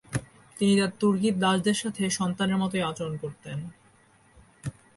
তিনি তার তুর্কি দাসদের সাথে সন্তানের মত আচরণ করতেন।